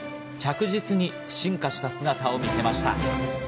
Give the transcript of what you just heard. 着実に進化した姿を見せました。